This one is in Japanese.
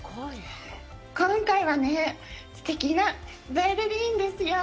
今回はね、すてきなベルリンですよ。